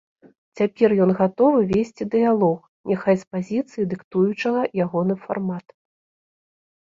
Цяпер ён гатовы весці дыялог, няхай з пазіцыі дыктуючага ягоны фармат.